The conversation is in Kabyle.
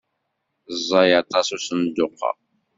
Ẓẓay aṭas usenduq-a.